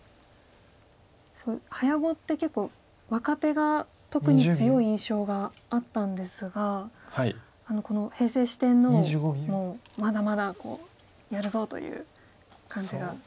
すごい早碁って結構若手が特に強い印象があったんですがこの平成四天王も「まだまだやるぞ！」という感じが。